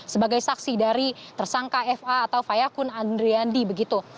sebagai saksi dari tersangka fa atau fayakun andriandi begitu